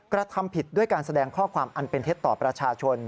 กระทำผิดด้วยการแสดงข้อความอันเป็นเท็จต่อประชาชน